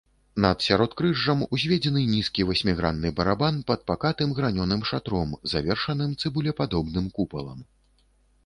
Над сяродкрыжжам узведзены нізкі васьмігранны барабан пад пакатым гранёным шатром, завершаным цыбулепадобным купалам.